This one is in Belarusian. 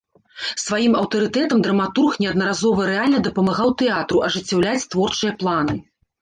Сваім аўтарытэтам драматург неаднаразова рэальна дапамагаў тэатру ажыццяўляць творчыя планы.